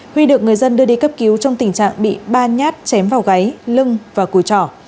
huy được người dân đưa đi cấp cứu trong tình trạng bị ba nhát chém vào gáy lưng và cùi trỏ